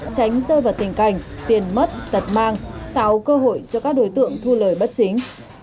tránh rơi vào tình cảnh tiền mất tật mang tạo cơ hội cho các đối tượng thu lời bất chính